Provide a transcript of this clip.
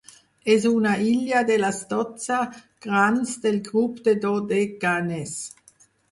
És una illa de les dotze grans del grup del Dodecanès.